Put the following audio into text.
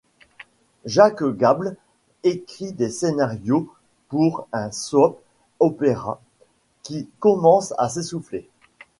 Jack Gable écrit des scénarios pour un soap opera qui commence à s'essouffler.